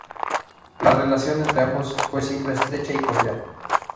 La relación entre ambos fue siempre estrecha y cordial.